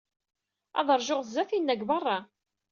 Ad ṛjuɣ sdat-inna, deg beṛṛa.